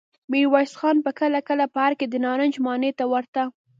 ميرويس خان به کله کله په ارګ کې د نارنج ماڼۍ ته ورته.